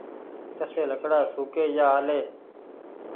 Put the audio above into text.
ڪسي لڪڙآ سوڪي يا آلي